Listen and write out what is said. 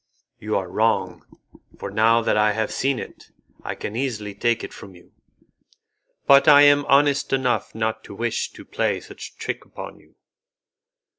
"You are wrong, for now that I have seen it I can easily take it from you. But I am honest enough not to wish to play such a trick upon you."